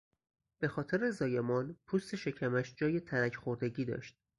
به خاطر زایمان، پوست شکمش جای ترک خوردگی داشت.